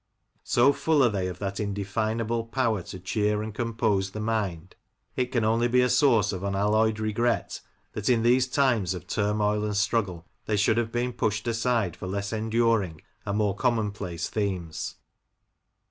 So full are they of that indefinable power to cheer and compose the mind, it can only be a source of unalloyed regret that in these times of turmoil and struggle they should have been pushed aside for less enduring and more commonplace themes.